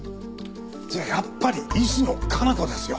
じゃあやっぱり石野香奈子ですよ。